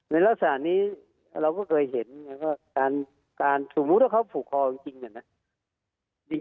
ในลักษณะนี้เราก็เคยเห็นสมมุติว่าเขาผูกคอจริง